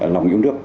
lòng yêu nước